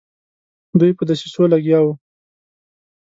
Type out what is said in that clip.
دوی په دسیسو لګیا وه.